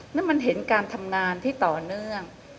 แล้วมันเห็นการทำงานที่ต่อเนื่อง